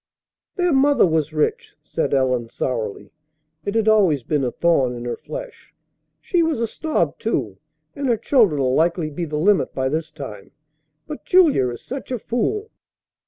"Their mother was rich," said Ellen sourly. It had always been a thorn in her flesh. "She was a snob, too, and her children'll likely be the limit by this time. But Julia is such a fool!"